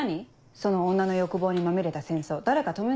その女の欲望にまみれた戦争誰か止めなよ。